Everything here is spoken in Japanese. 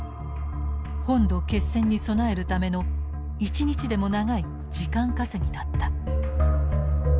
本土決戦に備えるための一日でも長い時間稼ぎだった。